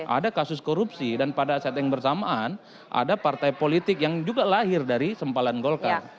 ada kasus korupsi dan pada saat yang bersamaan ada partai politik yang juga lahir dari sempalan golkar